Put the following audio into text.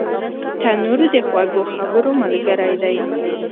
تنور د خوږو خبرو ملګری دی